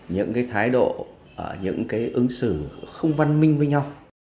những cái thái độ những cái ứng xử không văn minh với nhau